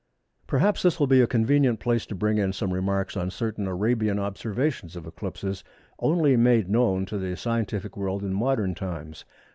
Perhaps this will be a convenient place to bring in some remarks on certain Arabian observations of eclipses only made known to the scientific world in modern times.